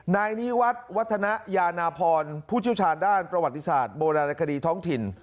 นายนิวัฒน์วัฒนยานาพรผู้เชี่ยวชาญด้านประวัติศาสตร์โบราณคดีท้องถิ่น